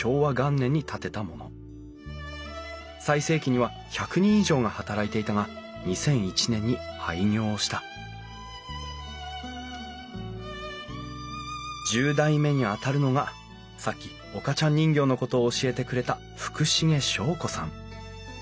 最盛期には１００人以上が働いていたが２００１年に廃業した１０代目にあたるのがさっき岡ちゃん人形のことを教えてくれた福重祥子さん。